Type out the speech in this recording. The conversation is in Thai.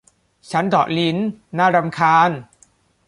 ฉันเดาะลิ้น น่ารำคาญ